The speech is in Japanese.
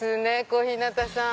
小日向さん。